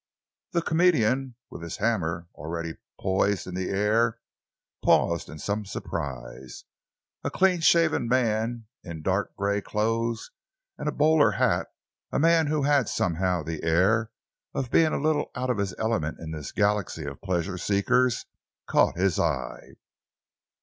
The comedian, with his hammer already poised in the air, paused in some surprise. A clean shaven man in dark grey clothes and a bowler hat, a man who had somehow the air of being a little out of his element in this galaxy of pleasure seekers, caught his eye.